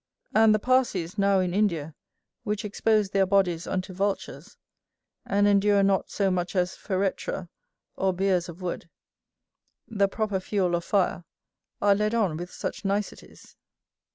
And the Persees now in India, which expose their bodies unto vultures, and endure not so much as feretra or biers of wood, the proper fuel of fire, are led on with such niceties.